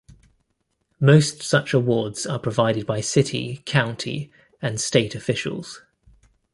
Most such awards are provided by city, county and state officials.